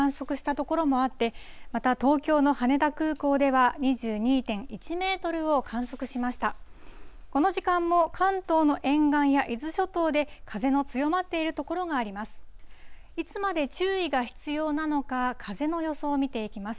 この時間も関東の沿岸や伊豆諸島で風の強まっている所があります。